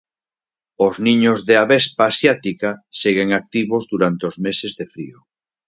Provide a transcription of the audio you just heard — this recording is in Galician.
Os niños de avespa asiática seguen activos durante os meses de frío.